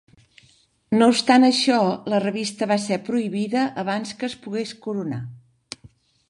No obstant això, la revista va ser prohibida abans que es pogués coronar.